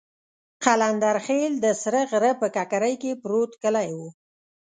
قلندرخېل د سره غره په ککرۍ کې پروت کلی وو.